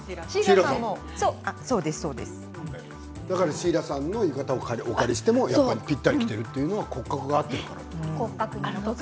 シーラさんの浴衣をお借りしてもぴったり合っているのは骨格が合っているからですね。